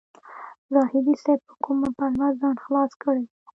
زاهدي صیب په کومه پلمه ځان خلاص کړی و.